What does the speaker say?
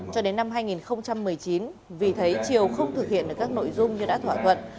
cho đến năm hai nghìn một mươi chín vì thấy triều không thực hiện được các nội dung như đã thỏa thuận